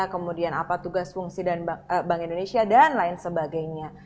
kemudian apa tugas fungsi bank indonesia dan lain sebagainya